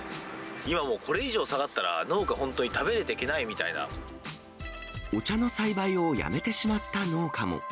もうこれ以上、下がったら、農家、お茶の栽培をやめてしまった農家も。